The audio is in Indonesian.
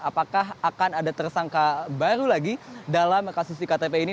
apakah akan ada tersangka baru lagi dalam kasus iktp ini